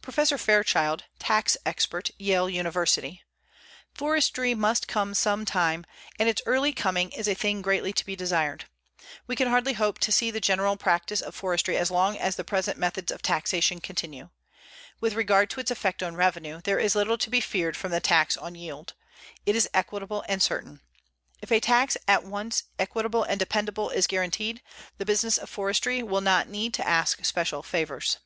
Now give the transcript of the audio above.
Professor Fairchild, tax expert, Yale University: "Forestry must come some time, and its early coming is a thing greatly to be desired. We can hardly hope to see the general practice of forestry as long as the present methods of taxation continue. With regard to its effect on revenue, there is little to be feared from the tax on yield. It is equitable and certain. _If a tax at once equitable and dependable is guaranteed, the business of forestry will not need to ask special favors.